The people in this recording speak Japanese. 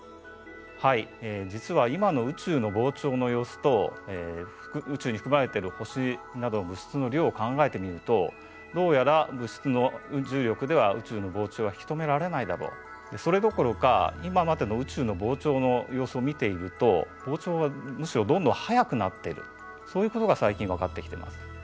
はい実は今の宇宙の膨張の様子と宇宙に含まれてる星などの物質の量を考えてみるとどうやら物質の重力では宇宙の膨張は引き止められないだろうそれどころか今までの宇宙の膨張の様子を見ていると膨張はむしろどんどん速くなっているそういうことが最近分かってきています。